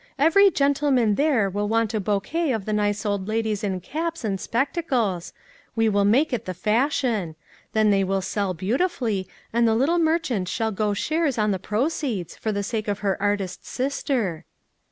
Every gentleman there will want a bouquet of the nice old ladies in caps, and spectacles ; we will make it the fashion ; then they will sell beautifully, and the little merchant shall go shares on the proceeds, for the sake of her artist sister."